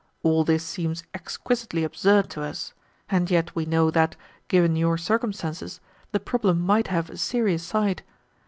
All this seems exquisitely absurd to us, and yet we know that, given your circumstances, the problem might have a serious side.